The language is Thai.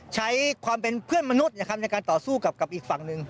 ใช้ความเป็นเพื่อนมนุษย์นะครับในการต่อสู้กับอีกฝั่งหนึ่ง